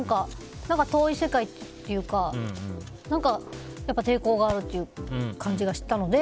遠い世界というか何か抵抗があるという感じがしてたので。